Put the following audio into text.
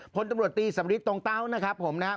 พลตำรวจตีสมฤทธิ์ตรงเต้า